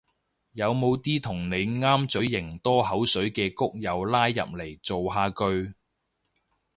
有冇啲同你啱嘴型多口水嘅谷友拉入嚟造下句